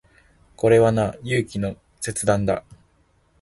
これはな、勇気の切断だ。